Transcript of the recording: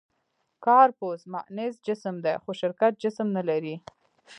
«کارپوس» معنس جسم دی؛ خو شرکت جسم نهلري.